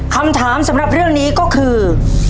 คำถามสำหรับเรื่องนี้ก็คือ